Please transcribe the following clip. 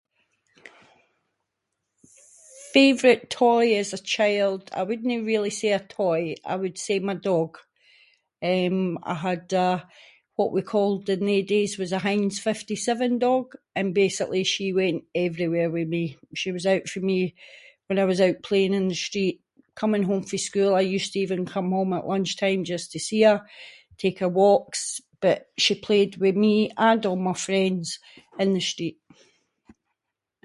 Favourite toy as a child, I wouldnae really say a toy, I would say my dog, eh, I had a what we called in they days was a Heinz fifty-seven dog, and basically she went everywhere with me. She was out for me when I was out playing in the street, coming home fae school I used to even come home at lunch time just to see her, take her walks, but she played with me and all my friends in the street.